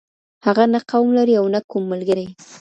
هغه نه قوم لري او نه کوم ملګری.